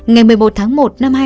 ngày một tháng bác loan đã trở về nhà